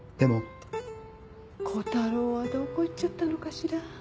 小太郎はどこ行っちゃったのかしら？